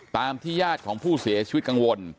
ตามที่ญาติของผู้เสียชีวิตกังวล